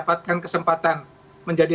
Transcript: dapatkan kesempatan menjadi